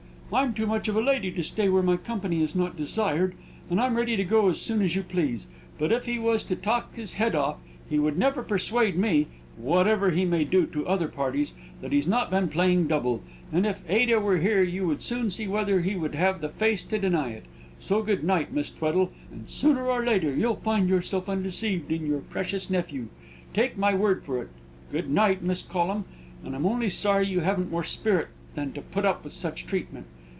"I'm too much of a lady to stay where my company is not desired, and I'm ready to go as soon as you please. But if he was to talk his head off, he would never persuade me (whatever he may do other parties) that he's not been playing double; and if Ada were here you would soon see whether he would have the face to deny it. So good night, Miss Tweddle, and sooner or later you'll find yourself undeceived in your precious nephew, take my word for it. Good night, Miss Collum, and I'm only sorry you haven't more spirit than to put up with such treatment.